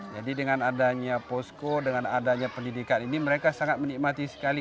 jadi dengan adanya posko dengan adanya pendidikan ini mereka sangat menikmati sekali